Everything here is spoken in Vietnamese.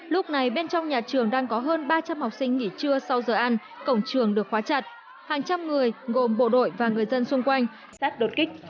lúc này bên trong nhà trường đang có hơn ba trăm linh học sinh nghỉ trưa sau giờ ăn cổng trường được khóa chặt hàng trăm người gồm bộ đội và người dân xung quanh sát đột kích